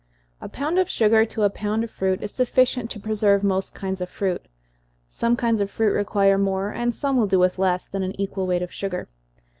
_ A pound of sugar to a pound of fruit, is sufficient to preserve most kinds of fruit. Some kinds of fruit require more, and some will do with less, than an equal weight of sugar.